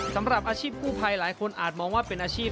สำหรับอาชีพกู้ภัยหลายคนอาจมองว่าเป็นอาชีพ